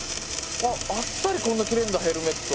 あっあっさりこんな切れるんだヘルメット。